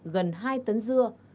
gần hai tấn dưa